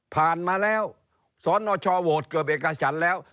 ผ่านมาแล้วสรณชาวโหวตเกือบเอกชันแล้ว